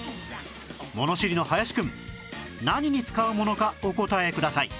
物知りの林くん何に使うものかお答えください